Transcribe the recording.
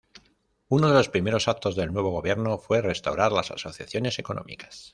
Uno de los primeros actos del nuevo gobierno fue restaurar las asociaciones económicas.